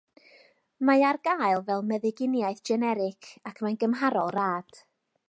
Mae ar gael fel meddyginiaeth generig ac mae'n gymharol rad.